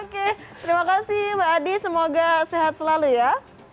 oke terima kasih mbak adi semoga sehat selalu ya